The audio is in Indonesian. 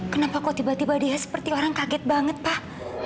kenapa kok tiba tiba dia seperti orang kaget banget pak